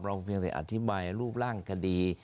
เพียงแต่อธิบายรูปร่างคดี